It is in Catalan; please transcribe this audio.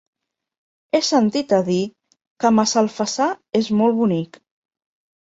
He sentit a dir que Massalfassar és molt bonic.